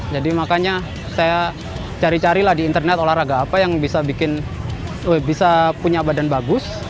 jadi makanya saya cari carilah di internet olahraga apa yang bisa punya badan bagus